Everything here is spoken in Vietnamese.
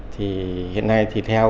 thì hiện nay thì theo